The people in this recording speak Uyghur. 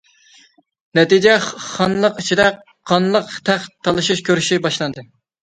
نەتىجىدە خانلىق ئىچىدە قانلىق تەخت تالىشىش كۈرىشى باشلاندى.